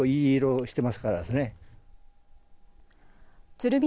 鶴見